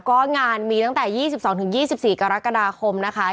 ก็งานมีตั้งแต่๒๒๒๔กรกฎาคมนะคะ